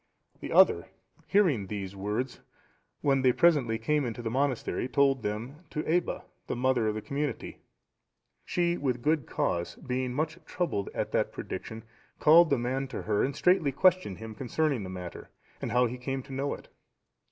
The other, hearing these words, when they presently came into the monastery, told them to Aebba,(717) the mother of the community. She with good cause being much troubled at that prediction, called the man to her, and straitly questioned him concerning the matter and how he came to know it.